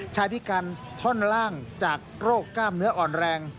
พิการท่อนล่างจากโรคกล้ามเนื้ออ่อนแรง